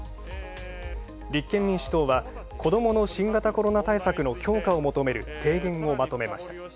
立憲民主党は、子どもの新型コロナ対策の強化を求める提言をまとめました。